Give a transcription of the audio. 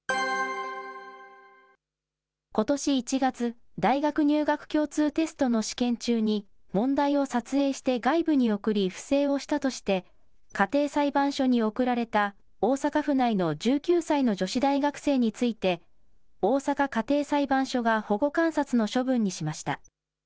ことし１月、大学入学共通テストの試験中に、問題を撮影して外部に送り、不正をしたとして、家庭裁判所に送られた大阪府内の１９歳の女子大学生について、大阪家庭裁判所が保護観察の処分にしました。